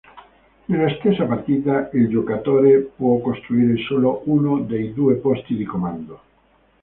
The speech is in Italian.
Nella stessa partita il giocatore può costruire solo uno dei due posti di comando.